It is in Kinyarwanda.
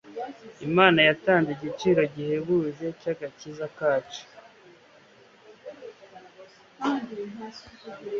Imana yatanz igiciro gihebuje cy agakiza kacu